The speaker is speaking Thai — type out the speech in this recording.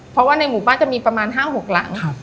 เพราะว่าในหมู่บ้านจะมีประมาณห้าหกหลังครับ